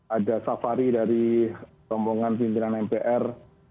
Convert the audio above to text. ada safari dari rombongan pimpinan mpr